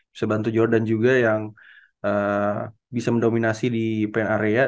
bisa bantu jordan juga yang bisa mendominasi di plan area